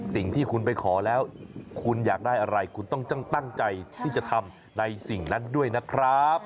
สิ่งที่คุณไปขอแล้วคุณอยากได้อะไรคุณต้องตั้งใจที่จะทำในสิ่งนั้นด้วยนะครับ